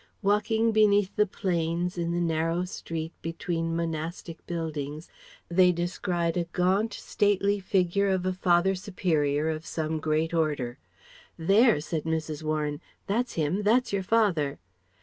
Walking beneath the planes in a narrow street between monastic buildings, they descried a gaunt, stately figure of a Father Superior of some great Order. "There!" said Mrs. Warren; "that's him, that's your father."